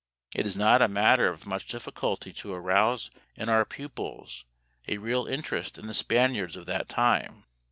It is not a matter of much difficulty to arouse in our pupils a real interest in the Spaniards of that time.